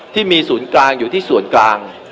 ที่มีศูนย์กลางอยู่ที่ส่วนกลาง